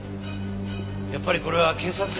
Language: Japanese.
やっぱりこれは警察に。